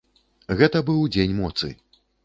Гэта быў дзень моцы.